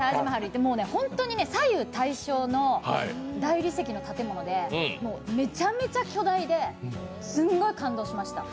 本当に左右対称の大理石の建物でめちゃめちゃ巨大で、すごい感動しました。